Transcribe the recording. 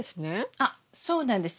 あっそうなんです。